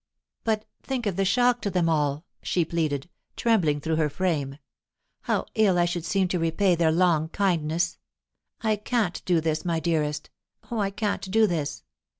"But think of the shock to them all!" she pleaded, trembling through her frame. "How ill I should seem to repay their long kindness! I can't do this, my dearest; oh, I can't do this!